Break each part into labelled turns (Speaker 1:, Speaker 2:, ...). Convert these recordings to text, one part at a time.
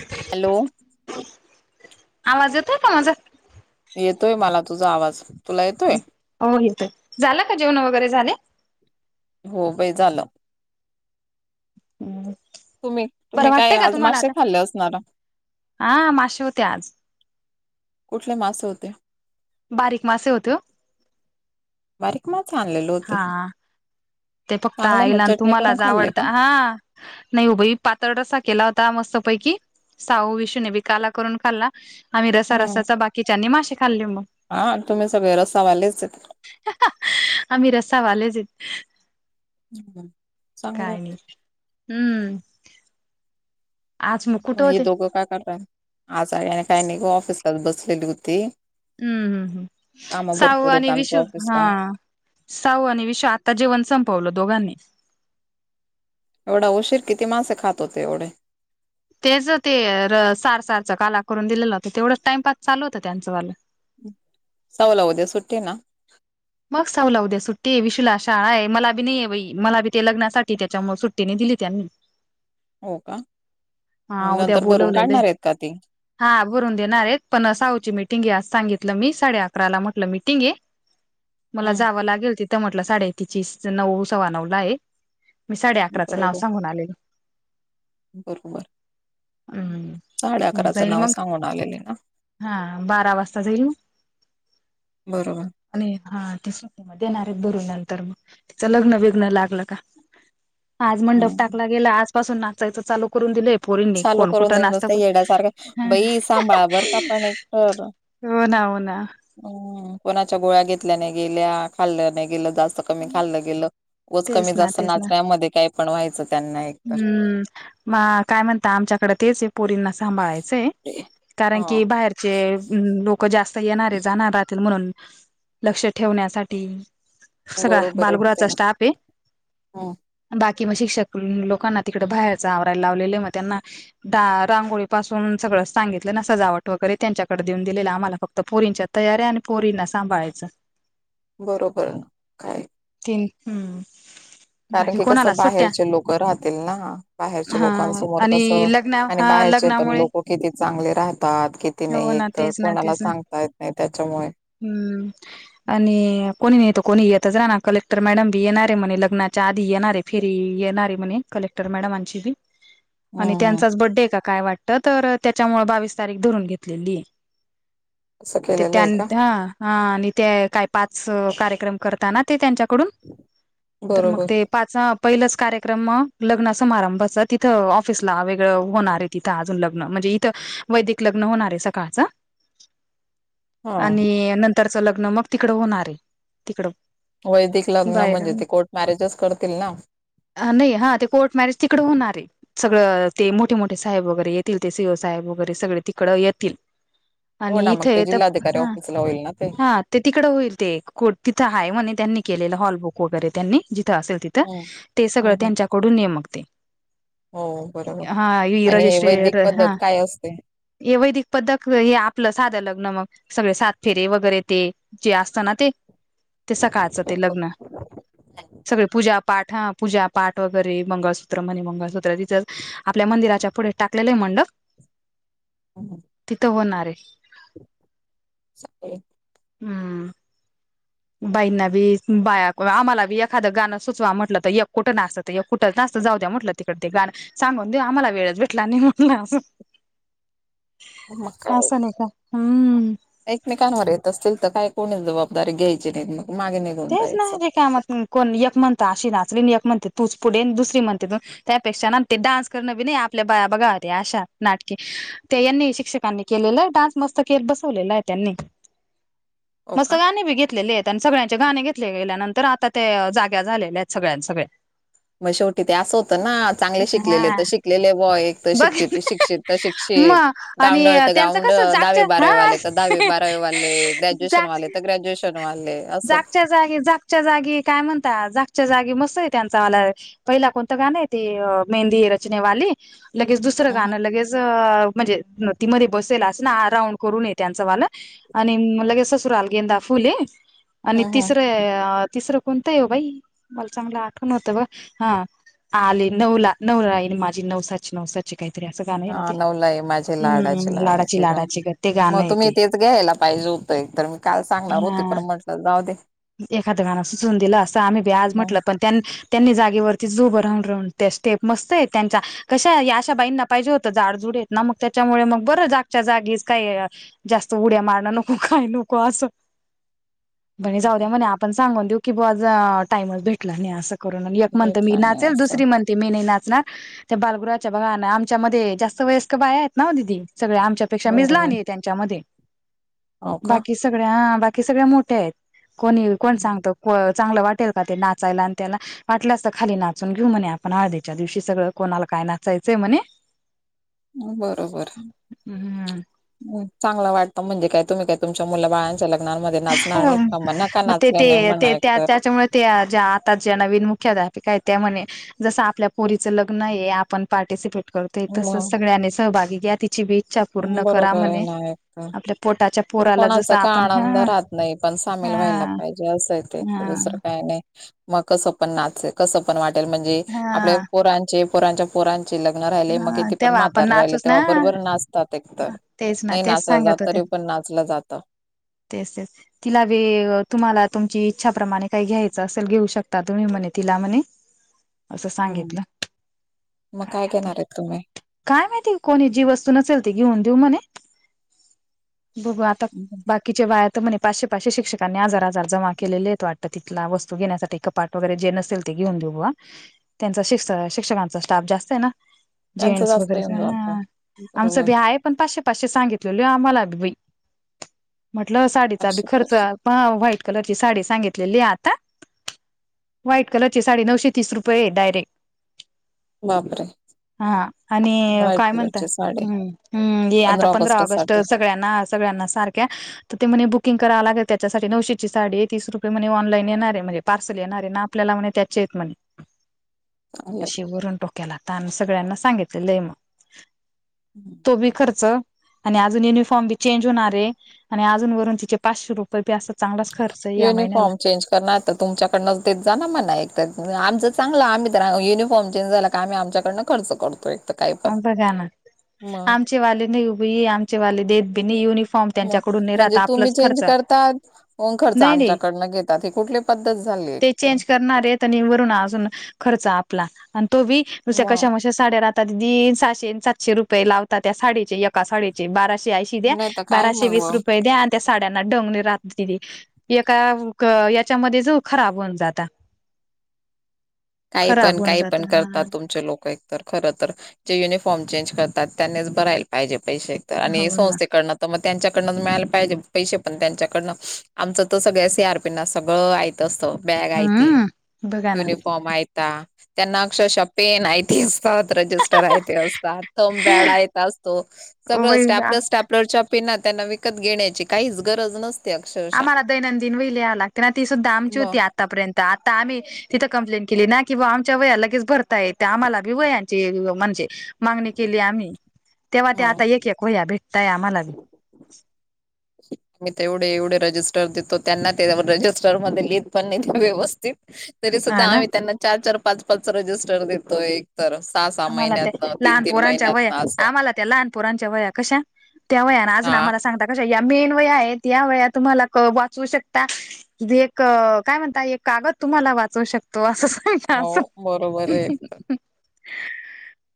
Speaker 1: ह
Speaker 2: हॅलो
Speaker 1: आवाज येतोय कमाजात
Speaker 2: येतोय मला तुझा आवाज तुला येतोय
Speaker 1: हो तर झालं का जेवण वगैरे झाले
Speaker 2: हो बाई झालं
Speaker 1: हम्म
Speaker 2: तुम्ही
Speaker 1: बरं
Speaker 2: तुम्ही काय
Speaker 1: वाटतंय का
Speaker 2: आज
Speaker 1: तुम्हाला
Speaker 2: मासेे
Speaker 1: आता?
Speaker 2: खाल्ले असणार
Speaker 1: हा मासे होते आज
Speaker 2: कुठले मासे होते
Speaker 1: बारीक मासे होते
Speaker 2: बारीक मा आणलेले होते
Speaker 1: हा ते फक्त
Speaker 2: चांगले
Speaker 1: आईल
Speaker 2: मग
Speaker 1: आणि
Speaker 2: चटणी करून
Speaker 1: तुम्हालाच
Speaker 2: खाल्ले
Speaker 1: आवडत
Speaker 2: का
Speaker 1: हा नाही उभ पातळ रसा केला होता मस्त पैकी साह विष ने बी काला करून खाल्ला आम्ही रसा
Speaker 2: हम्म
Speaker 1: रसाचा बाकीच्यानी मासे खाल्ले मग
Speaker 2: हा तुम्ही सग वळे रस्ता वालेच
Speaker 1: आम्ही रस्सा वालेच
Speaker 2: हम्
Speaker 1: काणी हम्म आज मु
Speaker 2: हे दोघं काय करत आजारने काय नाहीघ ऑफिसलाच बसलेली होती
Speaker 1: हम्म हम् हम्
Speaker 2: कामं भरपूर
Speaker 1: साहआ
Speaker 2: आहेत
Speaker 1: आणि विश
Speaker 2: आमच्या
Speaker 1: हा
Speaker 2: ऑफिसला
Speaker 1: साऊ आणि विशा आता जेवण संपवलं दोघांनी
Speaker 2: एवढा उशीर किती मासे खात होते एवढे
Speaker 1: तेच ते सार सारच काला करून दिलेलं होतं तेवढंच टाइमपास चालू होतं त्यांचं वालं
Speaker 2: सवल होद्या सुट्टे ना
Speaker 1: मग सऊला उद्या सुट्टी आहे विशुला शाळा आहे मला बी नाहीये बाई मला बी ते लग्नासाठी त्याच्यामु सुट्टीने दिली त्यांनी
Speaker 2: हो का
Speaker 1: हा उद्या
Speaker 2: नंतर भरून
Speaker 1: बोलवलेलं आहे.
Speaker 2: काढणार आहेत का तेी
Speaker 1: हा भरून देणार मला
Speaker 2: हम्म
Speaker 1: जावं लागेल तिथं म्हटलं साडे ततीची नऊ सव् नऊ ला आहे मी साडे अकराचं नाव
Speaker 2: बरोबर
Speaker 1: सांगून आलेल
Speaker 2: बरोबर
Speaker 1: ह
Speaker 2: साडे
Speaker 1: मग
Speaker 2: अकराचं
Speaker 1: जाईल
Speaker 2: नाव
Speaker 1: मग
Speaker 2: सांगून आलेले ना
Speaker 1: हा बारा वाजता जाईल मग
Speaker 2: बरोबर
Speaker 1: आणि हा ती सु्टी म देणार एक बर नंतर मग तिचं लग्न वेग्न लागलं का आज, मंडप
Speaker 2: हम्म
Speaker 1: टाकला गेला आजपासून नाचायच चालू करून दिलंय पोरींनी
Speaker 2: चालू
Speaker 1: कोण
Speaker 2: करून
Speaker 1: कुठं
Speaker 2: दिल
Speaker 1: नाशता
Speaker 2: नुसतं येड्यासारखं
Speaker 1: कोण
Speaker 2: बाई सांभाळा बर का पण
Speaker 1: हो ना हो ना
Speaker 2: हम् कोणाच्या गोळ्या घेतल्या नाही गेल्या खाल्ल्या नाही गेलं जास्त क खाल्लं गेलं व
Speaker 1: तेच
Speaker 2: कमी
Speaker 1: ना
Speaker 2: जास्त
Speaker 1: तेच ना
Speaker 2: नाचण्यामध्ये काय पण व्हायचं त्यां
Speaker 1: हम्म म काय म्हणता आमच्याकडे तेच आहे पोरींना सांभळायचंय कारण
Speaker 2: हा
Speaker 1: की, बाहेरचे लो जास्त येणारे जाणार राहतील म्हणून लक्ष ठेवण्यासाठी सगळा
Speaker 2: बरोबर
Speaker 1: बालगृहाचा
Speaker 2: एकदम
Speaker 1: स्टाफ आहे
Speaker 2: हम्म
Speaker 1: बाकी मग शिक्षक लोकांना तिकडं बाहेरच आवरायला लावलेलं मग त्यांना रांगोळी पासून सगळं सांगितलं ना सजावट वगैरे त्यांच्याकडे देऊन दिलेलं आम्हाला फक्त, पोरींच्या तयारी आणि पोरींना सांभाळायचं
Speaker 2: बरोबर काय
Speaker 1: तन हम्
Speaker 2: कारण की कसं बाहेरचे लोक राहतील ना बाहेरच्या
Speaker 1: हा
Speaker 2: लोकांसमोर
Speaker 1: आणि
Speaker 2: कसं
Speaker 1: लग्न
Speaker 2: आणि
Speaker 1: हा
Speaker 2: बाहेरचे पण
Speaker 1: लग्नामुळे
Speaker 2: लोक किती चांगले राहतात कि ति
Speaker 1: हो
Speaker 2: नाही एक
Speaker 1: ना
Speaker 2: तरर
Speaker 1: तेच ना
Speaker 2: कोणाला
Speaker 1: तेच ना
Speaker 2: सांगता येत नाही त्याच्यामुळे
Speaker 1: हम्म आणि कोणी नाही तर कोणी येतच रा ना कलेक्टर मॅडम बी येणारे म्हणे लग्नाच्या आधी येणारे फेरी येत येणार म्ह ने कलेक्टर मॅडम आमची बी आणि
Speaker 2: हम्म.
Speaker 1: त्यांचाच बर्थडे आहे काय वा तर तर त्याच्या मुळे बावीस तारीख धरून घेतलेली
Speaker 2: असं
Speaker 1: ते
Speaker 2: केलेलं
Speaker 1: त्यां
Speaker 2: आहे का
Speaker 1: हा हा आणि ते काय पाच कार्यक्रम करताना त्यांच्याकडून तर मग
Speaker 2: बरोबर.
Speaker 1: ते प ्र लग् समारंभ तिथ ऑफिसला वेगळं होणार आहे तिथं अजून लग्न म्हणजे इथ वैदिक लग्न होणार आहे सकाळच
Speaker 2: [inaudible]
Speaker 1: आणि नंतरच लग्न मग तिकड होणार आहे तिकडं
Speaker 2: वैदिक लग्न
Speaker 1: बाहेर
Speaker 2: म्हणजे ते कोर्ट मॅरेजच करतील ना
Speaker 1: नाही हा ते कोर्ट मॅरेज तिकडडे होणार आहे सगळं ते मोठे मोठे साहेब वगैरे येतील ते, सी ओ साहेब वगैरे सगळे तिकडं येतील
Speaker 2: हो
Speaker 1: आणि
Speaker 2: ना मग ते
Speaker 1: इथे तर
Speaker 2: जिल्हाधिकारी
Speaker 1: हा
Speaker 2: ऑफिसला होईल ना ते
Speaker 1: हा ते तिकडं होईल ते तिथं आहे म्हणे त्यांनी केलेलं हॉलबुक वगैरे त्यांनी जिथं असेल तिथे
Speaker 2: हम्म
Speaker 1: ते सगळं
Speaker 2: हम्म
Speaker 1: त्यांच्याकडून नेमकते
Speaker 2: हो बरोबर.
Speaker 1: हा
Speaker 2: आणि हे वैदिक
Speaker 1: हराजशे
Speaker 2: पद्धत
Speaker 1: हा
Speaker 2: काय असते?
Speaker 1: हे वैदिक पद्धक हे आपलं साध लग्न मग सगळे साथ फेरे वगैरे ते जे असत ना ते ते सकाळचं ते लग्न सगळे पूजा पाठ हं पूजा पाठ वगैरे मंगळसूत्र म्हणे मंगळसूत्र तिथं आपल्या मंदिराच्या पुढे टाकलेलं आहे मंडप
Speaker 2: हम्म,
Speaker 1: तिथं होणार आहे
Speaker 2: [inaudible]
Speaker 1: हम्म बाईंना बी बाह्या आम्हाला बी एखादं गाणं सुचवा म्हटलं तर एकट कुठं नाचत एकुठंच जास्त जाऊ द्या म्हटलं तिकड ते गाण सांगून देऊ आम्हाला वेळच भेटला नाही म्हटलंं
Speaker 2: [inaudible] मग काय
Speaker 1: असं नाही का हम्म
Speaker 2: एकमेकांवर येत असतील तर काय कोणी जबाबदारी घ्यायची नाहीत मग मागे नाही
Speaker 1: तेच ना रिकाम कोण एक म्हणत अशी नाचीवील तशी नाचील एक म्हणते तूच पुढे दुसरी म्हणते त त्यापेक्षा ना ते डान्स करणं बी नाही आपल्या बाह्या बघा ते अशा नाटके त्या यांनी शिक्षकांनी केलेलं आहे डान्स मस्त के बसवलेला आहे त्यांनी
Speaker 2: [inaudible]
Speaker 1: मस्त गाणी बी घेतलेले आहेत आणि सगळ्यांनी चे गाणे घेतले गेल्या नंतर आता ते जाग्या झालेल्या आहेत सगळ्यांच सगळ्या
Speaker 2: मग शेवटी ते असं होतं ना चांगले शिकलेले
Speaker 1: हा
Speaker 2: तर शिकलेले बॉय एक तर
Speaker 1: बघ
Speaker 2: शिकती शिक्षित ते शिक्षित
Speaker 1: मग आणि
Speaker 2: गावंढळ ते
Speaker 1: त्यांचं
Speaker 2: गावंढळ
Speaker 1: कसं
Speaker 2: दहावी
Speaker 1: जागच्या
Speaker 2: बारावी वाले तर दहावी
Speaker 1: हा
Speaker 2: बारावे वाले ग्रॅज्यु ग्रॅज्युएशन वाले
Speaker 1: जाग
Speaker 2: त गॅज्युएशन वाले असं
Speaker 1: जागच्या जागी जागच्या जागी काय म्हणता जागच्या जागी मस्त आहे त्यांचा वाला पहिला कोणतं गाण आहे ते मेहंदी रचनेवाली लगेच दुस दुसरं
Speaker 2: हम्म
Speaker 1: गाणं लगेच म्हणजे ती मध्ये बसेल असं ना राऊंड करून ये त्यांचं वालं आणि लगेच ससुराल गेंदा फुले आणि
Speaker 2: हम्म हम्म
Speaker 1: तिसरं तिसरं कोणत ये हो बाई मला चांगलं आठवुण होतं बघा हा आली नऊला नवलाई माझी नवसाची नवसाची काहीतरी असं गाणं आहे ना
Speaker 2: हा
Speaker 1: ते
Speaker 2: नवलाई माझी
Speaker 1: हम्म
Speaker 2: लाडाची लाडाची ग
Speaker 1: ते गाणं
Speaker 2: मग तुम्ही
Speaker 1: येते
Speaker 2: तेच घ्यायला पाहिजे होत एक तरर मी काल सांगणार होते
Speaker 1: हा
Speaker 2: पण म्हटलं जाऊ दे
Speaker 1: एखादं गाणं सुचऊन न दिलं असंत आम्ही आज
Speaker 2: मग
Speaker 1: म्हटलं पण त्यां त्यांनी जागेवरती उभ राहून राहून त्या स्टेप मस्त आहे त्यांच्या कशा अशा बाईंना पाहिजे होत झाडजुड येत ना मग त्याच्यामुळे मग बरं जागच्या जागीच काही जास्त उड्या मारणं नको काही नको असं म्हणे
Speaker 2: मग
Speaker 1: जाऊ द्या
Speaker 2: काय
Speaker 1: म्हणे आपण सांगून देऊ की आज टाइमच भेटला नाही असं करु ना एक म्हणंत मी
Speaker 2: भेटला नाही
Speaker 1: नाचेल
Speaker 2: असं
Speaker 1: दुसरी म्हण मी नाही नाचणार त्या बालगृहाच्या बघान आमच्यामध्ये जास्त वयस्करबाह्याआहेत ना दीदी सगळे आमच्या त्यापेक्षा मीच
Speaker 2: बरोबर
Speaker 1: लहान त्यांच्यामध्ये
Speaker 2: हो का
Speaker 1: बाकी सगळ्या बाकी सगळ्या मोठ्या आहेत कोणी कोण
Speaker 2: हम्म.
Speaker 1: सांगत चांगलं वाटेल का ते नाचायला आणि त्याला वाटल्या असत खाली नाचून घेऊ म्हणे आपण आधीच्यादिवशी सगळं कोणाला काय नाचायचं म्हणे
Speaker 2: बरोबर
Speaker 1: हम्म
Speaker 2: चांगलं वाटतं म्हणजे काय तुम्ही काय तुमच्या मुलं बाळांच्या लग्नांमध्ये नाचणार नाहीत का म्ह ना का
Speaker 1: मग ते
Speaker 2: नाचले नाही
Speaker 1: ते
Speaker 2: म्हण
Speaker 1: ते
Speaker 2: एकतर
Speaker 1: त्याच्यामुळे त्या ज्या आता ज्या नवीन मुख्याध्यापिका आहेत त्या म्हणे जसं आपल्या पोरीचं लग्न आहे आपण पार्टिसिपेट करत तसच
Speaker 2: मग
Speaker 1: सगळ्यांनी सहभागी घ्या तिची बी इच्छा पूर्ण करा
Speaker 2: बरोबर आहे
Speaker 1: म्हणे
Speaker 2: ना एकतर
Speaker 1: आपल्या पोटाच्या पोराला जस
Speaker 2: कोणाचा काय
Speaker 1: आपण
Speaker 2: आनंद
Speaker 1: हं
Speaker 2: राहत नाही पण सामील व्हायला पाहिजे असं य ते
Speaker 1: हा
Speaker 2: तर दुसरं काय नाही मग कसं पण नाचेल कसं पण वाटेल म्हणजे आपल्या
Speaker 1: हा
Speaker 2: पोरांचे पोरांच्या पोरांचे लग्न राहिले मग
Speaker 1: हा
Speaker 2: किती पण
Speaker 1: तेव्हा आपण
Speaker 2: म्हातार राहिले
Speaker 1: नाचूच
Speaker 2: तेव्हा
Speaker 1: ना
Speaker 2: बरोबर नाच एक तर
Speaker 1: तेच ना
Speaker 2: नाही
Speaker 1: तेच
Speaker 2: नाचलं जात
Speaker 1: सांगत होत्या
Speaker 2: तरी पण नाचलं जातं
Speaker 1: तेच तेच तिला वे तुम्हाला तुमची इच्छाप्रमाणे काही घ्यायचं असेल, घेऊ शकता तुम्ही म्हणे तिला म्हणे. असं
Speaker 2: हम्म,
Speaker 1: सांगितलं
Speaker 2: मग काय घेणार आहेत तुम्ही?
Speaker 1: काय माहिती कोणी जी वस्तू नसेल ती घेऊन देऊ म्हणे. बघू आ ता बाक कीचे बायात म्हणे पाचशे पाचशे शिक्षकांनी हजार हजार जमा केले आहेत वाटतं, तिथला वस्तू घेण्यासाठी पाठ वगैरे जे नसेल ते घेऊन देऊ बा. त्यां शिक्षकांचा स्टाफ जास्त आहे ना.
Speaker 2: त्यांचं
Speaker 1: जेंट्स
Speaker 2: जास्त
Speaker 1: वगैरे
Speaker 2: येऊन
Speaker 1: ह,
Speaker 2: जात
Speaker 1: आमचं
Speaker 2: बरोबर
Speaker 1: ब आहे पण पाचशे पाचशे सांगितलेले आम्हाला तर बई. म्हटलं साडीचा बी खर्च
Speaker 2: असे
Speaker 1: ह व्हाईट कलरची साडी सांगितलेली आहे आता. व्हाईट कलरची साडी नऊशे तीस रुपये डायरे
Speaker 2: बापरे!
Speaker 1: हा आणि
Speaker 2: व्हाईट
Speaker 1: काय म्हणता.
Speaker 2: कलरची
Speaker 1: ह्
Speaker 2: साडी
Speaker 1: हम्म ये आता पंधरा ऑगस्ट स सगळ्यांना सगळ्यांना सारख्या तर ते म्हणे बुकिंग करावं लागेल. त्याच्यासाठी नऊशेची साडी तीस रुपये म्हणे ऑनलाईन येणार आहे म्हणे. पार्सल येणारे ना, आपल्याला म्हणे त्याचे येत म्हणे.
Speaker 2: [inaudible]
Speaker 1: अशी वरून डोक्याला ताण, सगळ्यांना सांगितलेल मग.
Speaker 2: [inaudible]
Speaker 1: तो बी खर्च, आणि आजुन युनिफॉर्मी चेंज होणारय. आणि अजूनू वरून तिचे पाचशे रुप [unintelligible] असा चांगलाच खर्च आहे या महिन्याला.
Speaker 2: नाही तर तुमच्याकडनंच देत जा ना मला एक त्यात. आमचं चांगलं आम्ही तर युनिफॉर्म चेंज झाला का आम्ही आमच्याकडन खर्च करतोय.
Speaker 1: बघा ना. आमचे वाले नई उभी, आमचे वाले देत बी नई युनिफॉ
Speaker 2: म म्हणजे तुम्ही चेंज करतात, खर्च
Speaker 1: नाही नाही
Speaker 2: आमच्याकडन घेतात. ही कुठली पद्धत झाली.
Speaker 1: ते
Speaker 2: तर
Speaker 1: चेंज करणार आहेत आणि वरून अजून खर्च आपला. आणि तो बी नुश्या
Speaker 2: मग
Speaker 1: कशा साड्या राहतात, दीन सहाशे सातशे रुपये लावता त्या साडीचे. एका साडीेचे बाराशे ऐंशी द्या
Speaker 2: नाही तर काय
Speaker 1: बाराशे वीस
Speaker 2: मग
Speaker 1: रुपये द्या आणि त्या साड्यांना डोंग [unintelligible] एका याच्यामध्ये जो खराब होऊन जाता.
Speaker 2: काही
Speaker 1: खराब
Speaker 2: पण
Speaker 1: होऊन
Speaker 2: काही
Speaker 1: जात
Speaker 2: पण करतात
Speaker 1: हा
Speaker 2: तुमचे लोक तर खर तर. जे युनिफॉर्म चेंज करतात त्यांनीच भरायला पाहिजे पैसे एक तर. आणि
Speaker 1: हो ना
Speaker 2: संस्थेकडन तर मग त्यांच्याकडनं मिळायला पाहिजे पैसे पण त्यांच्याकडनं. आमचं तर सगळ्या सी आर पी ना सगळं आयत असत. बॅग आयती,
Speaker 1: हम्म बघा ना
Speaker 2: युनिफॉ फॉम आयता. त्यांना अक्षरश पेन अयती असतात रजस जस्टर आयते असतातं, थम पॅड अयता असतो. सगळ
Speaker 1: वही
Speaker 2: स्टप स्टप लर च्या पींना त्यांना विकत घेण्याची काहीच गरज नस
Speaker 1: आम्हाला दैनंदिन वई लिहायं लागते ना, ती सुद्धा आमची
Speaker 2: मग
Speaker 1: होती आतापर्यंत. आता आम्ही तिथं कंप्लेन केली ना कि बा आमच्या वया लगेच भरतायेत, तर आम्हाला बी वया च्याहीये म्हणजे मागणी केली आम्ही, तेव्हा ते
Speaker 2: मग
Speaker 1: आता एक एक वया भेटताय आम्हाला. बी
Speaker 2: [inaudible] मी तेवढे एवढे रजिस्टर देतो, त्यांना ते रजिस्टर मध्ये लिहित पण नईत् व्यवस्थित. तरी
Speaker 1: हा
Speaker 2: सुद्धा
Speaker 1: ना
Speaker 2: आम्ही त्यांना चार चार पाच पाचचा रजिस्टर देतो एक तर सहा सहा
Speaker 1: आम्हाला ते
Speaker 2: महिन्यातन, तीन
Speaker 1: लहान
Speaker 2: तीन
Speaker 1: पोरांच्या वया
Speaker 2: महिन्यातन असं.
Speaker 1: आम्हाला त्या लहानपुरांच्या वया कशा, त्या वयाने अजून
Speaker 2: हा
Speaker 1: आम्हाला सांगतात कशा या मेन वया आहेत, या वया तुम्हाला क वाचवू शकता. ते एक काय म्हणता, एक कागद तुम्हाला वाचवू शकतो
Speaker 2: हो
Speaker 1: असं.
Speaker 2: बरोबर आहे
Speaker 1: [unintelligible]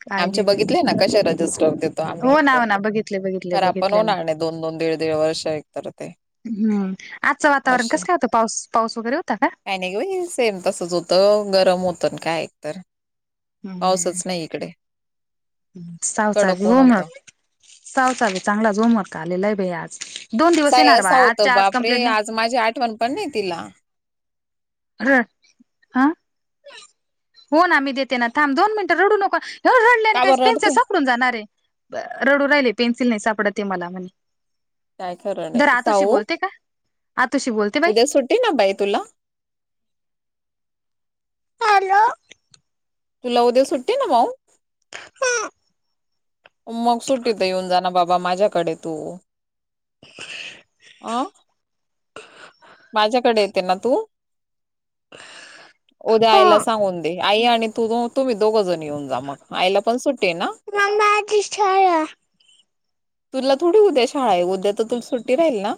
Speaker 1: काय
Speaker 2: आमचे
Speaker 1: नाही बाई
Speaker 2: बघितले ना कशे रजिस्टर होतेत. [unintelligible] आम्ही
Speaker 1: हो ना
Speaker 2: एकतर.
Speaker 1: हो ना बघितले बघितले
Speaker 2: खराब
Speaker 1: बघितले ना
Speaker 2: बनवणार नई दोन दोन दीड दीड वर्ष एकतर ते.
Speaker 1: हम्म आजचं वातावरण कस काय होतं, पाऊस पाऊस वगैरे होता का?
Speaker 2: काही नई गं बई, सेम तसच होतं. गरम होतं ना काय एकतर पाऊसच नाही इकडे कडक
Speaker 1: सावचावी
Speaker 2: ऊन होतं
Speaker 1: होमवर्क सावचावी चांगलाच होमवर्क आलेला आहे भई आज दोन दिवस
Speaker 2: साय
Speaker 1: येणार
Speaker 2: असा
Speaker 1: बाबा
Speaker 2: होत
Speaker 1: आजच्या आज
Speaker 2: बापरे
Speaker 1: कमंप्लेट नाही
Speaker 2: आज माझी आठवण पण नाही तिला
Speaker 1: रड ह हो ना आ मीही देते ना थांब दोन मिनिटं रडू नको हो रडले आणि
Speaker 2: का
Speaker 1: काही
Speaker 2: बर
Speaker 1: पेन्सिल
Speaker 2: रडते
Speaker 1: सापडून जाणारे रडू राहिले पेन्सिल नाही सापडतते मला म्हणे
Speaker 2: काय खरं
Speaker 1: दर
Speaker 2: नाही
Speaker 1: आतुशी
Speaker 2: साऊ
Speaker 1: बोलते का आतुशी बोलते बाई
Speaker 2: ते ना बाई तुला
Speaker 1: हॅलो
Speaker 2: तुला उद्या सुट्टे ना मऊ मग सुट्टीत येऊन जाना बाबा माझ्याकडे तू अ माझ्याकडे येते ना तू उद्या
Speaker 1: हो
Speaker 2: आईला सांगून दे आई आणि तुझ तुम्ही दोघ जण येऊन जा मग आयला पण सुट्टे ना
Speaker 1: मग माझी शाळा
Speaker 2: तुला थोडी उद्या शाळा आहे उद्या तर तु सुट्टी राहील ना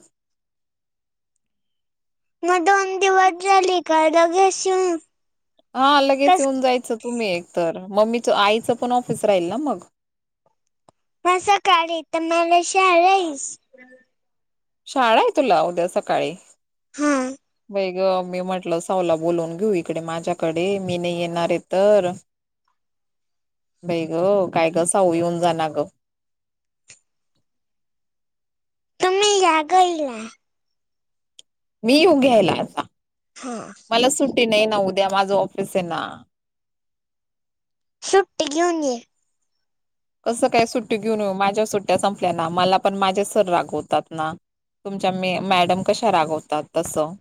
Speaker 1: मग दोन दि वड राली काळ द घेश
Speaker 2: हा लगेच येऊन जायचं तुम्ही एक तरर मम्मीच आईचं पण ऑफिस राहील ना मग
Speaker 1: म सकाळी तर मला श आस
Speaker 2: शाळा आहे तुला उद्या सकाळी
Speaker 1: हा
Speaker 2: ग मी म्हटलं सावला बोलवून घेऊ इकडे माझ्याकडे मी नाही येणार आहे तर बई ग काय गसाऊ येऊन जा ना ग
Speaker 1: तुम्ही जागईला
Speaker 2: मी येऊ घ्यायला आता
Speaker 1: हा
Speaker 2: मला सुट्टी नाही ना उद्या माझं ऑफिस आहे ना
Speaker 1: सुट्टे घेऊन येे
Speaker 2: कसं काय सुट्टी घेऊन येऊ माझ्या सुट्ट्या संपल्या ना मला पण माझे सर रागवतात ना तुमच्या मी मॅडम कशा रागवतात तसं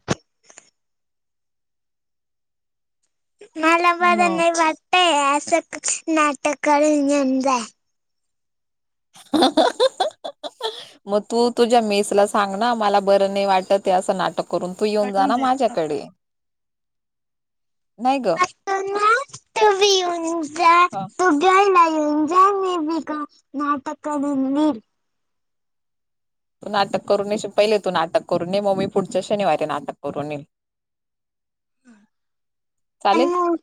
Speaker 1: मला बरं
Speaker 2: मग
Speaker 1: नाही वाटतय असं नाटक करून येऊन जा
Speaker 2: ह मग तू तुझ्या मेस ला सांग ना मला बरं नाही वाटत असं नाटक करून तू येऊन
Speaker 1: कट होऊन
Speaker 2: जाना
Speaker 1: जाईल.
Speaker 2: माझ्याकडे नाही ग
Speaker 1: त उन जा जयलय जय मपिका नाटक दिी
Speaker 2: तू नाटक करून ने पहिले तू नाटक करून येे मग मी पुढच्या शनिवारी नाटक करून येईल चालेच
Speaker 1: आणि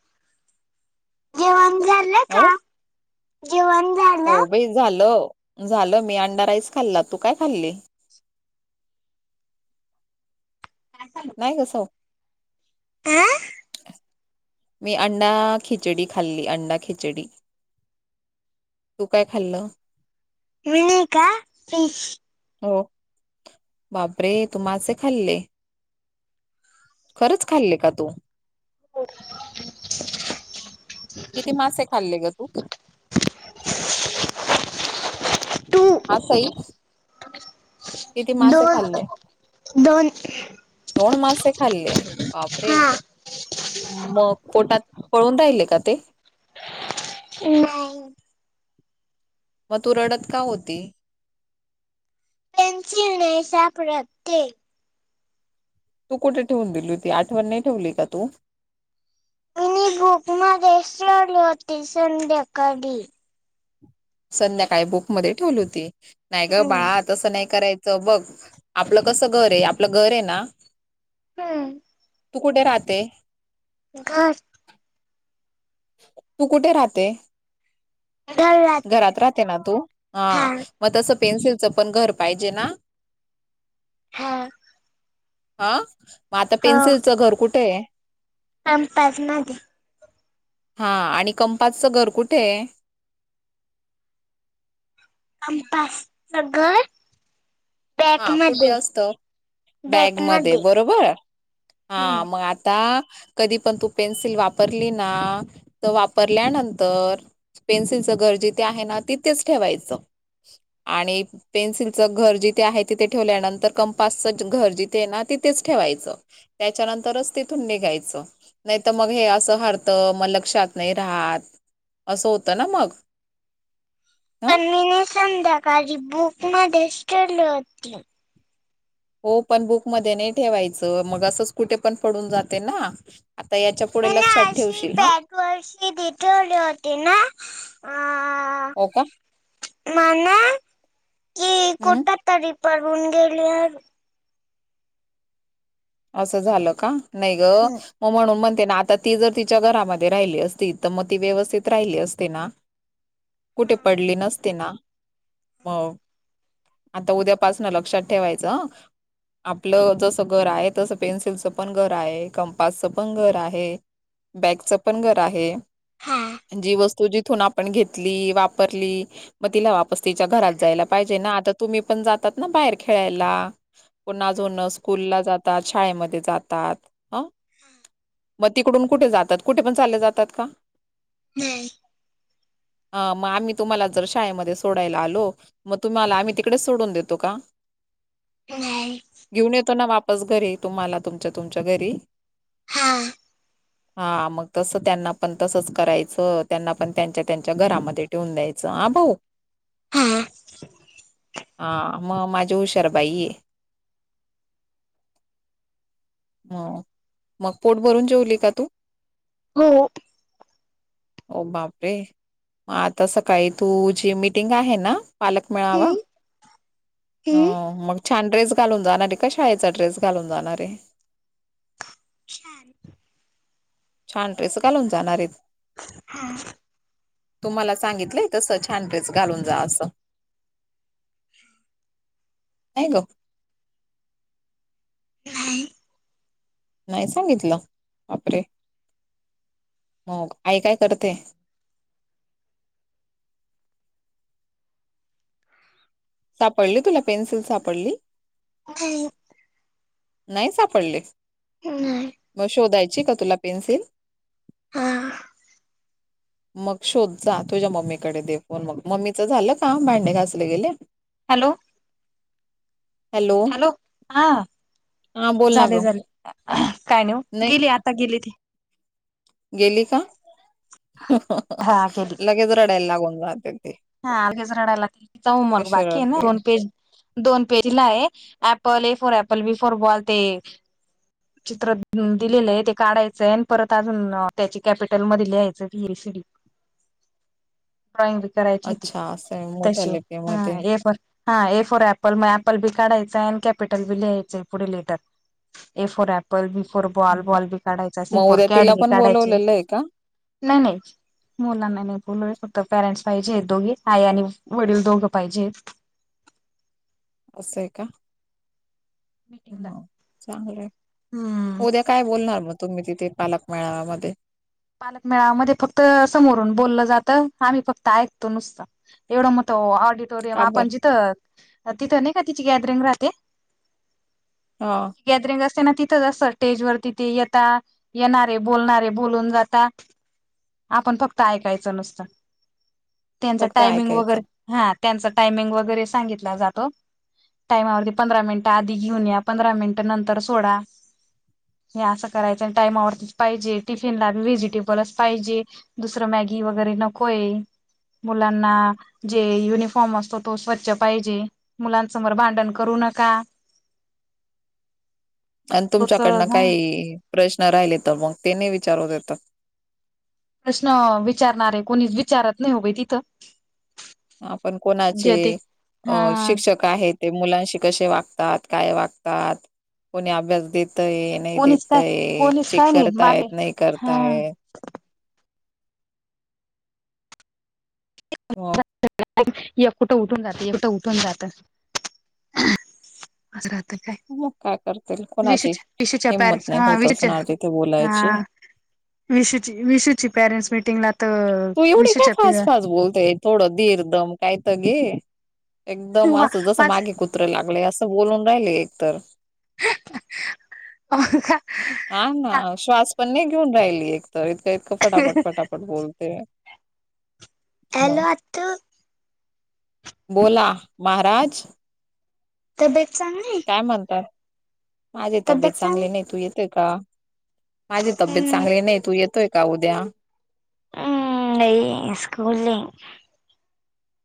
Speaker 1: जेवण झालं
Speaker 2: हो
Speaker 1: का? जेवण
Speaker 2: हो
Speaker 1: झालं
Speaker 2: बाई झालं झालं मी अंडा राईस खाल्ला तू काय खाल्ली नाही कास
Speaker 1: आ
Speaker 2: मी अं्डा खिचडी खाल्ली अं्डा खिचडी तू काय खाल्लं
Speaker 1: विनका
Speaker 2: हो बाबरे तु माझ खाल्ले खरंच खाल्ले का तू
Speaker 1: हो
Speaker 2: किती मासे खाल्ले ग तू
Speaker 1: टू
Speaker 2: असही
Speaker 1: दोन दोन
Speaker 2: दड मासे खाल्ले बाप रे
Speaker 1: हा
Speaker 2: मग पोटात पळून राहिले का ते
Speaker 1: ह
Speaker 2: मग तू रडत का होती
Speaker 1: नाही सापडत ते
Speaker 2: तू कुठे ठेवून दिली होती आठवण नाही ठेवली का तू
Speaker 1: मिनी बुक मध्ये सोले होती संध्याकाळी
Speaker 2: संध्याकाळी बुकमध्येध्ये ठेवली होती नाही ग
Speaker 1: हम्म
Speaker 2: बाळा तसं नाही करायचं बघ आपलं कसं घर आहे आपलं घर आहे ना
Speaker 1: हम्म
Speaker 2: तू कुठे राहते
Speaker 1: घर
Speaker 2: तू कुठे राहते घरात राहते ना तू हा मग तस पेन्सिलचं पण घर पाहिजे ना
Speaker 1: हा
Speaker 2: हा मग आता पेन्सिलचं घर कुठे आहे?
Speaker 1: आम कंपास मध्ये दे
Speaker 2: हा आणि कंपासचं घर कुठे?
Speaker 1: कंपास च घर
Speaker 2: हा
Speaker 1: बॅक
Speaker 2: कुठे
Speaker 1: मध्ये
Speaker 2: असत. बॅग मध्ये बरोबर
Speaker 1: हम्म
Speaker 2: हा मग आता कधी पण तू पेन्सिल वापरली ना तर वापरल्यानंतर पेन्सिलचं घर जिथे आहे ना तिथेच ठेवायचं आणि पेन्सिलचं घर जिथे आहे. तिथे ठेवल्यानंतर कंपासचं घर जिथे ना तिथेच ठेवायचं. त्याच्यानंतरच तिथून निघायचं नाही तर मग हे असं हरत मग लक्षात नाही राहत. असं होतं ना मग ह
Speaker 1: मी न संध्याकाळी बुक मध्ये ठेवली होती.
Speaker 2: हो पण बुक मध्ये नाही ठेवायचं मग असंच कुठे पण पडून जाते. ना आता याच्या पुढे लक्षात ठेवशील हा
Speaker 1: तुशी देतले होते ना अ
Speaker 2: हो का
Speaker 1: मना की
Speaker 2: हम्
Speaker 1: कुठ तरी पडून गेली होती
Speaker 2: असं झालं का नाही ग मग म्हणून म्हणते ना आता ती जर तिच्या घरामध्ये राहिली असती तर मग ती व्यवस्थित राहिली असते. ना कुठे पडली नसते. ना मग आता उद्यापासनं लक्षात ठेवायचं आपलं जसं घर आहे. तसं पेन्सिलचं पण घर आहे कंपासचं पण घर आहे. बॅगचं पण घर आहे.
Speaker 1: हां
Speaker 2: जी वस्तू जिथून आपण घेतली वापरली. मग तिला वापस तिच्या घरात जायला पाहिजे. ना आता तुम्ही पण जातात ना बाहेर खेळायला पण अजूनून स्कूलला जातात शाळेमध्ये जातात. ह मग तिकडून कुठे जातात. कुठे पण चाले जातात का
Speaker 1: नाही
Speaker 2: अ मग आम्ही तुम्हाला जर शाळेमध्ये सोडायला आलो. मग तुम्ही मला आम्ही तिकडे सोडून देतो. का
Speaker 1: नाही
Speaker 2: घेऊन येतो ना वापस घरी तुम्हाला तुमच्या तुमच्या घरी
Speaker 1: हा
Speaker 2: हा मग तसं त्यांना पण तसच करायचं त्यांना पण त्यांच्या त्यांच्या घरामध्ये ठेवून द्यायचं हा भाऊ
Speaker 1: हा
Speaker 2: हा मग माझी हुशारबाई आहे. हो मग पोट भरून जेवली का तू
Speaker 1: हो
Speaker 2: हे हो बापरे मग आता सकाळी तुझी मीटिंग आहे ना पालक
Speaker 1: हम्म
Speaker 2: मेळावा हा
Speaker 1: हम्म
Speaker 2: मग छान ड्रेस घालून जा नाही तर कशी पण शाळेचा ड्रेस घालून जाणार आहे.
Speaker 1: शॅल
Speaker 2: छान रड्रेस घालून जाणार आहेत.
Speaker 1: हा
Speaker 2: तुम्हाला सांगितलंय तसं छान ड्रेस घालून जा असं. का का
Speaker 1: नाही
Speaker 2: नाही सांगितलं वापरे मग आई काय करते. सापडली तुला पेन्सिल सापडली.
Speaker 1: ह
Speaker 2: नाही सापडले
Speaker 1: नाही
Speaker 2: मग शोधायची का तुला पेन्सिल
Speaker 1: हा.
Speaker 2: मग शोध जा तुझ्या मम्मीकडे दे फून मग मम्मीच झालं का भांडे घासले गेले.
Speaker 1: हॅलो हॅलो हा
Speaker 2: हा बोल ना
Speaker 1: झाले
Speaker 2: ग.
Speaker 1: झाले काय नाही गेली आता गेली ती.
Speaker 2: गेली का
Speaker 1: हा गेली
Speaker 2: लगेच रडायला लागून जहाते ते.
Speaker 1: हा अगसरडला च उ मग
Speaker 2: कशी
Speaker 1: बाकी ना
Speaker 2: रडते
Speaker 1: पेज. दोन पेजीला आहे apple A for apple B for ball ते. चित्र दिलेलं आहे ते काढायचंय आणि परत अजून त्याची कॅपिटल मध्ये लिहायचं बी एसीडी.
Speaker 2: हा
Speaker 1: ड्रॉइंग बी करायची ती
Speaker 2: आहे मोठ्या
Speaker 1: तशी हा
Speaker 2: लेकीमध्ये
Speaker 1: हे पण. हा ए फॉर ऍपल मग अपल बी काढयचंय अड कॅपिटल बी लिहायचय पुढे लिटात. A for apple B for ball ball B काढायचा सी
Speaker 2: मग
Speaker 1: फोर
Speaker 2: उद्या
Speaker 1: कॅड
Speaker 2: तिला
Speaker 1: बी
Speaker 2: पण
Speaker 1: काढायचे.
Speaker 2: बोलवलेलं आहे का
Speaker 1: नाही नाही. मुलांना नाही बोलूय फक्त पॅरेंट्स पाहिजे आहेत दोघे आई आणि वडील दोघं पाहिजे आहेत.
Speaker 2: असंय का.
Speaker 1: मीटिंगला
Speaker 2: चांगलं आहे
Speaker 1: हम्म
Speaker 2: उद्या काय बोलणार मग तुम्ही तिथे पालक मेळाव्या म.
Speaker 1: पालकमेळावमध्ये फक्त समोरून बोललं जातं आम्ही फक्त ऐकतो नुसतं. एढ मतऑिट ोरियम
Speaker 2: का बर
Speaker 1: आपण जिथ तिथं नाही का तिची गॅदरिंग राहते.
Speaker 2: हा
Speaker 1: गॅदरिंग असते ना तिथं असत स्टेज वर तिथे येता येणारे बोलणारे बोलून जात. आता आपण फक्त ऐकायचं नसतं त्यांच
Speaker 2: फक्त
Speaker 1: टायमिंग
Speaker 2: ऐकायचं
Speaker 1: वगैरे. हा त्यांचा टायमिंग वगैरे सांगितला जातो. टायमावरती पंधरा मिनिटं आधी घेऊन या पंधरा मिनिटं नंतर सोडा. हे असं करायचं आणि टायमावरतीच पाहिजे टिफिन लाी व्हजिट. ेबलच पाहिजे दुसरं मॅगी वगैरे नकोय. मुलांना जे युनिफॉर्म असतो तो स्वच्छ पाहिजे. मुलांसमोर भांडण करू नका.
Speaker 2: हा आणि
Speaker 1: तोच
Speaker 2: तुमच्याकडनं
Speaker 1: ह
Speaker 2: काही प्रश्न राहिले तर मग ते नाही विचारू देतात.
Speaker 1: प्रश्न विचारणार आहे कोणी विचारत नाही होवे तिथं.
Speaker 2: आपण कोणाचे
Speaker 1: जेते
Speaker 2: अ
Speaker 1: हा
Speaker 2: शिक्षक का हे ते मुलांशी कसे वागतात काय वागतात कोणी अभ्यास देतय. नाही
Speaker 1: कोणीच काय
Speaker 2: देतय
Speaker 1: कोणीच
Speaker 2: चेक
Speaker 1: काय नाही मागे
Speaker 2: करतायत नाही
Speaker 1: हा
Speaker 2: करताय. मग
Speaker 1: [unintelligible] कुठं उठून जातात कुठं उठून जातात.
Speaker 2: मग काय करतील कोणाची
Speaker 1: विशूच्या विशूच्या
Speaker 2: हिंमत
Speaker 1: पॅरेंट्स
Speaker 2: नाही
Speaker 1: हा
Speaker 2: होत
Speaker 1: विशूच्या
Speaker 2: असणार तिथे बोलायची. हा [unintelligible]
Speaker 1: विशूची विशूची पॅरेंट्स मीटिंगला
Speaker 2: तू एवढी काय फास्ट फास्ट बोलतेय थोडं धीर दम कायत घे एकदम
Speaker 1: वा
Speaker 2: असं जसं
Speaker 1: पाच
Speaker 2: मागे कु त्र लागले असं बोलून राहिले एकतर
Speaker 1: हं हं हो का?
Speaker 2: हा ना श्वास पण नाही घेऊन राहिली एकतर इतकं इतकं पटापट पटापट बोलते. मग
Speaker 1: हॅलो आतू
Speaker 2: बोला महाराज
Speaker 1: तब्येत चांगलीय?
Speaker 2: काय म्हणताय माझी तब्येत चांगली नाही तू येतेय का? माझी तब्येत
Speaker 1: हम्म
Speaker 2: चांगली नाही तू येतोय का उद्या?
Speaker 1: हम्म नाई स्कूलय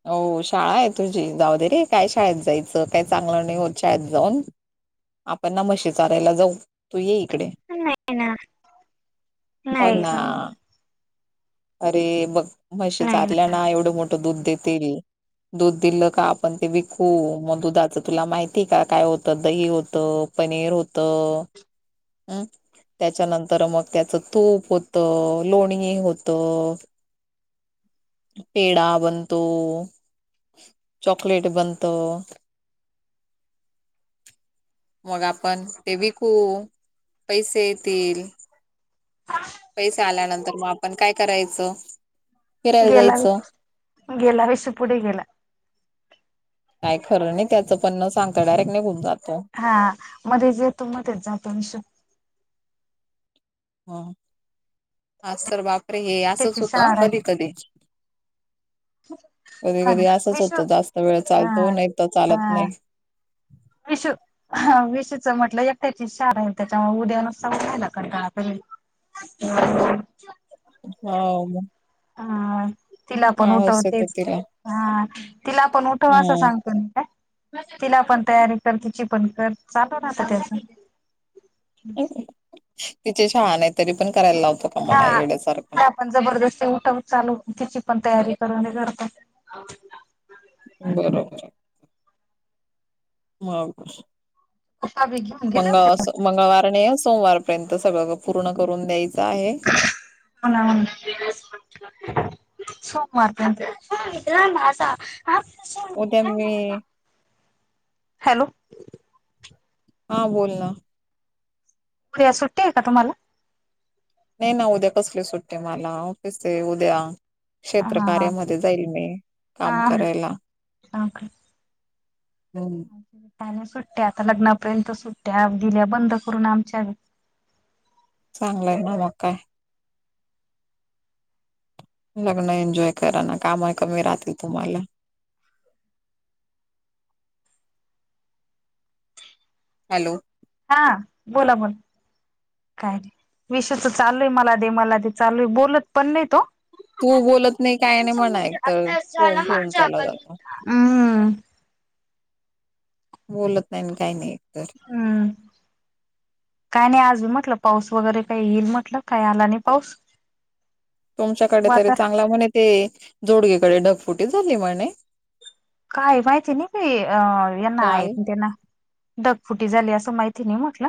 Speaker 2: हो शाळा आहे तुझी जावूदेरे काय शाळेत जायचं काय चांगलं नाही होत शाळेत जाऊन आपण ना म्हशी चारायला जाऊ तू ये इकडे
Speaker 1: नाही ना
Speaker 2: हो ना अरे! बघ म्हशी
Speaker 1: नाही
Speaker 2: चारल्या ना एवढं मोठं दूध देतील. दूध दिलं का आपण ते विकू मग दुधाच तुला माहिती का काय होतं दही होतं पनीर होतं हम् त्याच्यानंतर मग त्याचं तूप होत लोणी होतं. पेढा बनतो चॉकलेट बनतं. मग आपण ते विकू पैसे येतील. पैसे आल्यानंतर मं आपण काय करायचं? फिरायला
Speaker 1: गेला
Speaker 2: जायचं
Speaker 1: बाई गेला विसु पुढे गेला
Speaker 2: काय खरं नाही, त्याचं पण न सांगत डायरेक्ट निघून जातो.
Speaker 1: हा मध्येच येतो मध्येच जातो विशु
Speaker 2: हो. आज तर बापरे! हे असच
Speaker 1: त्याची
Speaker 2: होतं
Speaker 1: शाळा
Speaker 2: कधी कधी कधी
Speaker 1: हा ना
Speaker 2: कधी असंच
Speaker 1: विशू
Speaker 2: होतं जास्त वेळ
Speaker 1: हा
Speaker 2: चालतो नाही तर चालत नाही.
Speaker 1: विशु ह विशुचं म्हटलं एकट्याची शाळाय त्याच्यामुळे उद्या नु [unintelligible] राला कंटाळा करीत हम [unintelligible] [inaudible]
Speaker 2: हं
Speaker 1: हा तिला पण
Speaker 2: येतो
Speaker 1: उठवतेच
Speaker 2: तिला
Speaker 1: हा तिला पण उठव असं
Speaker 2: हम्म
Speaker 1: सांगतो ना काय तिला पण तयारी कर तिची पण कर चालू राहत त्याचं
Speaker 2: तिचे शाळा नाहीतरी पण करायला लावतो. का मला
Speaker 1: हा
Speaker 2: येड्यासारखा
Speaker 1: [unintelligible] पण जबरदस्ती उठव चालव तिची पण तयारी करून दे करतो
Speaker 2: बरोबर मावस [unintelligible]
Speaker 1: [unintelligible]
Speaker 2: मंग मंगळवार न सोमवारपर्यंत सगळं पूर्ण करून द्यायचं आहे.
Speaker 1: होना होना सोमवार पर्यंत माझा
Speaker 2: उद्या मी
Speaker 1: हॅलो!
Speaker 2: हा बोल ना.
Speaker 1: उद्या सुट्टी आहे का तुम्हाला?
Speaker 2: नाही ना उद्या कसली सुट्टी मला, ऑफिसये उद्या.
Speaker 1: हा
Speaker 2: क्षेत्रकार्यामध्ये जाईल मी, काम
Speaker 1: हा
Speaker 2: करायला.
Speaker 1: काय
Speaker 2: हम्म.
Speaker 1: त्याने सुट्ट्या आता लग्नापर्यंत सुट्ट्या, दिल्या बंद करून आमच्या
Speaker 2: चांगलंय ना मग काय. लग्न एन्जॉय करा ना, काम कमी राहतील तुम्हाला. हॅलो.
Speaker 1: हा बोला बोला. काय रे? विषय तर चालूय मला दे मला दे चालूय बोलत पण नई तो.
Speaker 2: तू बोलत नाही काय नाही म्हणा एक तर फोन ठेवून चालला
Speaker 1: [unintelligible]
Speaker 2: जातो
Speaker 1: हम्म.
Speaker 2: बोलत नाही ना काही नाही एकतर.
Speaker 1: हम्म काय नाही आज मी म्हटलं पाऊस वगैरे काही येईल म्हटलं, काही आला नाही पाऊस.
Speaker 2: तुमच्याकडे तरी
Speaker 1: वातार
Speaker 2: चांगला म्हणे ते, जोडगीकडे ढगफुटी झाली म्हणे?
Speaker 1: काय माहिती नई बी अ- यांना
Speaker 2: काल
Speaker 1: आहेत त्यांना. डगफुटी झाली असं माहिती नई म्हटलं.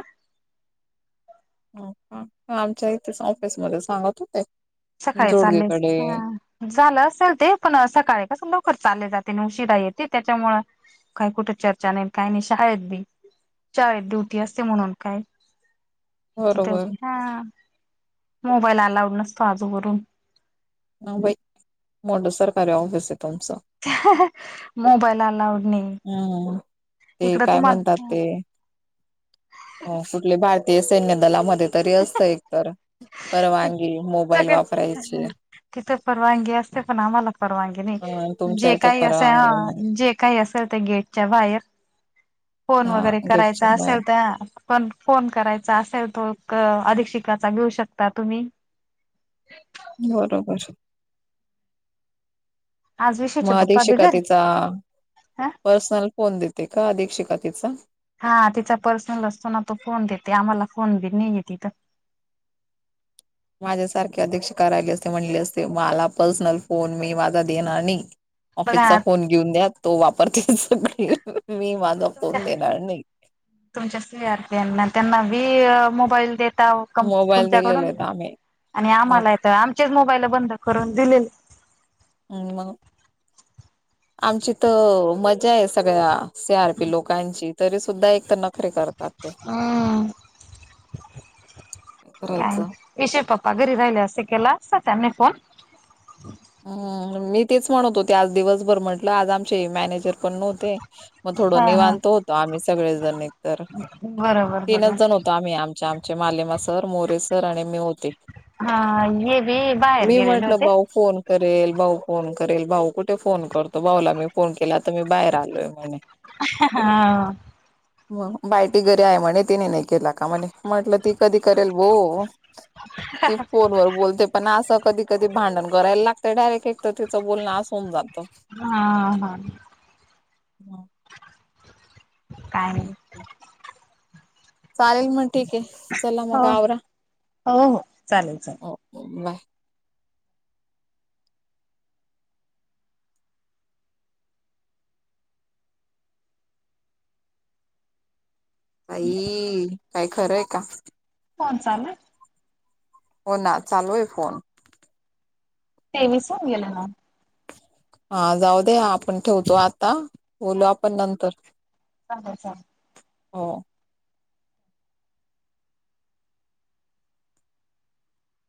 Speaker 2: ह ह आमच्या इथेच ऑफिसमध्ये सांगत होते.
Speaker 1: सकाळी चाललेच
Speaker 2: जोडगेकडे
Speaker 1: हा. झालं असेल ते, पण सकाळी कसं लवकर चालले जाते नि उशिरा येते त्याच्यामुळ काही कुठे चर्चा नई काय नाही, शाळेत बी चाळ ड्युटी असते म्हणून काय. तिथे
Speaker 2: बरोबर
Speaker 1: [unintelligible] हा. मोबाईल अलाउड नसतो आजूवरून.
Speaker 2: ह बई, मोठं सरकारारी ऑफिसय तुमचं.
Speaker 1: मोबाईल अलाउड नई.
Speaker 2: हम्म ते काय म्हणतात ते हो, कुठले भारतीय सैन्य दलामध्ये तरी असतं एकतर. परवानगी, मोबाईल
Speaker 1: सगळे
Speaker 2: वापरायची.
Speaker 1: तिथे परवानगी असते, पण आम्हाला परवानगी नई.
Speaker 2: अ तुमच्या
Speaker 1: जे
Speaker 2: इथे
Speaker 1: काही असे
Speaker 2: परवानगी
Speaker 1: हा
Speaker 2: नाही.
Speaker 1: जे काही असेल ते गेटच्या बाहेर. फोन
Speaker 2: हा
Speaker 1: वगैरे
Speaker 2: गेटच्या
Speaker 1: करायचा
Speaker 2: बाहेर
Speaker 1: असेल तर पण फोन करायचा असेल तो क, अधिक शिकाचा घेऊ शकता तुम्ही.
Speaker 2: बरोबर.
Speaker 1: आज विशूचे
Speaker 2: मग अधिक
Speaker 1: पप्पा बिगर
Speaker 2: शिकातीचा
Speaker 1: ह
Speaker 2: पर्सनल फोन देते का अधिक शिकातीचा.
Speaker 1: हां तिचा पर्सनल असतो ना तो फोन देते आम्हांला फोन बी नाही येत तिथ.
Speaker 2: माझ्यासारखे अध्यक्षकार राहिले असते म्हणले असते मला पर्सनल फोन मी माझा देणार नाही. ऑफिसचा
Speaker 1: बघा
Speaker 2: फोन घेऊन द्या तो वापरतील, मी माझा फोन देणार नाही.
Speaker 1: तुमच्या सी आर पीं ना त्यांना वी मोबाईल देता. पण
Speaker 2: मोबाईल दिलेले
Speaker 1: तुमच्याकडून
Speaker 2: आहेत आम्ही
Speaker 1: आणि आम्हांला
Speaker 2: मग
Speaker 1: येथे आमच्याच मोबाईला बंद करून दिलेले
Speaker 2: हम् मग आमची तर मजा आहे सगळ्या सी आर पी लोकांची तरी सुद्धा एक तर न खरी करतात काय करायचं
Speaker 1: येशय पप्पा घरी राहिले असते केला असता त्यांनी फोन.
Speaker 2: हम् मी तेच म्हणत होते आज दिवसभर म्हंटलं आज आमचे मॅनेजर पण नव्हते. मग थोडं
Speaker 1: हा हा
Speaker 2: निवांत होतो आम्ही सगळेजण तर
Speaker 1: बरोबर.
Speaker 2: तीनच
Speaker 1: बरोबर
Speaker 2: जण होतो आम्ही आमच्या आमच्या मालेमा सर, मोरे सर आणि मी होते.
Speaker 1: हां हे बी बाहेर
Speaker 2: मी
Speaker 1: गेलेले
Speaker 2: म्हटलं
Speaker 1: होते.
Speaker 2: भाऊ फोन करेल भाऊ फोन करेल भाऊ कुठे फोन करतो भाऊला मी फोन केला तर तर मी बाहेर आलोय म्हणे.
Speaker 1: हा
Speaker 2: मग बाय ती घरी आहे म्हणे तिने नाही केला का म्हणे म्हटलं ती कधी करेल बो ती फोन वर बोलते पण, असं कधी कधी भांडण करायला लाग ते डायरेक्ट एक तर तिचं बोलणं आस होऊन जातं.
Speaker 1: हा हा.
Speaker 2: [unintelligible]
Speaker 1: काय [unintelligible]
Speaker 2: चालेल मग, ठीकय. चला
Speaker 1: हो
Speaker 2: मग,
Speaker 1: हो
Speaker 2: आवरा.
Speaker 1: हो हो चालेल चालेल.
Speaker 2: बाय. आई, काय खरंय का?
Speaker 1: [unintelligible]
Speaker 2: हो, ना. चालूय, फोन.
Speaker 1: [unintelligible]
Speaker 2: हा, जाऊ दे. आपण ठेवतो आता. बोलू,
Speaker 1: हा.
Speaker 2: आपण नंतर.
Speaker 1: चालेल चालेल.
Speaker 2: हो.